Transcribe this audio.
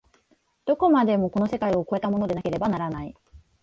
どこまでもこの世界を越えたものでなければならない。